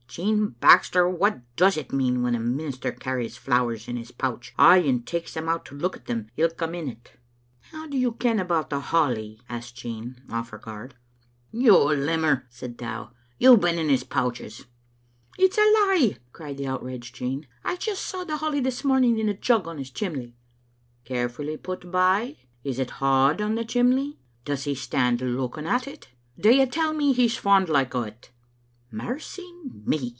" Jean Baxter, what does it mean when a minister carries flowers in his pouch; ay, and takes them out to look at them ilka minute?" " How do you ken about the holly?" asked Jean, off her guard. Digitized by VjOOQ IC f ntvtt0fon ot DAQgaxt. im "You limmcr," said Dow, "you've been in his pouches." "It's a lie!" cried the outraged Jean. "I just saw the holly this morning in a jug on his chimley." " Carefully put by? Is it hod on the chimley? Does he stand looking at it? Do you tell me he's fond like o't?" "Mercy me!"